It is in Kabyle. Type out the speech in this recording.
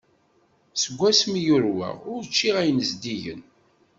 Seg wasmi i yurweɣ, ur ččiɣ ayen zeddigen.